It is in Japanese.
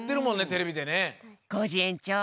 コージえんちょう